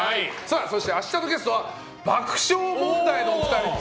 そして明日のゲストは爆笑問題のお二人と。